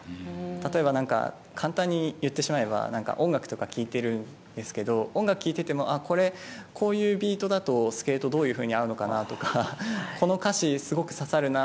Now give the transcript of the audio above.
例えば、簡単に言ってしまえば音楽とか聴いているんですけど音楽を聴いていてもこういうビートだとスケートにどういうふうに合うのかなとかこの歌詞すごく刺さるな。